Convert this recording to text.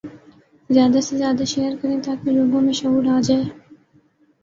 زیادہ سے زیادہ شیئر کریں تاکہ لوگوں میں شعور آجائے